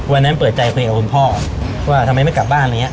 วันหน้ามเปิดใจคุยกับคุณพ่อว่าทำไมไม่กลับบ้านอะไรเงี้ย